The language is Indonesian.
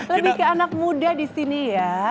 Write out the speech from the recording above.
lebih ke anak muda disini ya